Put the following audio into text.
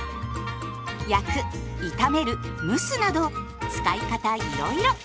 焼く炒める蒸すなど使い方いろいろ。